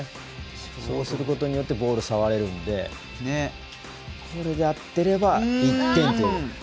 そうすることによってボールを触れるんでこれをやってれば１点という。